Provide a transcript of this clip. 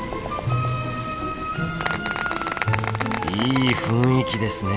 いい雰囲気ですね。